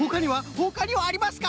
ほかにはありますか？